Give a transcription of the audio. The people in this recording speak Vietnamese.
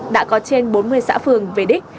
đã có trên bốn mươi xã phường về đích